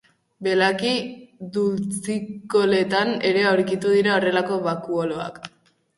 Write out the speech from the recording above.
Belaki dultzikoletan ere aurkitu dira horrelako bakuoloak.